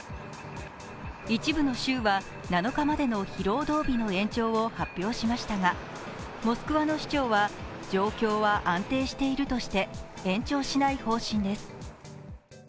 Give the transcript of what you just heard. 一部の州は７日までの非労働日の延長を発表しましたがモスクワの市長は、状況は安定しているとして延長しない方針です。